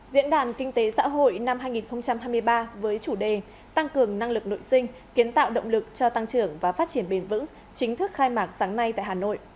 diễn đàn kinh tế xã hội năm hai nghìn hai mươi ba với chủ đề tăng cường năng lực nội sinh kiến tạo động lực cho tăng trưởng và phát triển bền vững chính thức khai mạc sáng nay tại hà nội